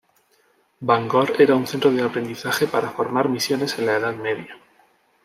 Bangor era un centro de aprendizaje para formar misiones en la Edad Media.